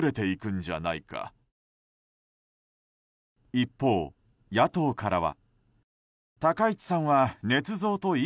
一方、野党からは。